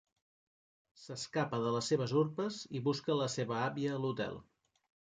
S'escapa de les seves urpes i busca la seva àvia a l'hotel.